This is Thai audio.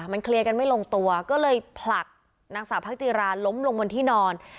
มันเคลียร์กันไม่ลงตัวก็เลยผลักนางสาวพักจิราล้มลงบนที่นอน